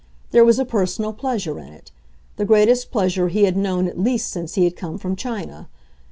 There was a personal pleasure in it; the greatest pleasure he had known at least since he had come from China.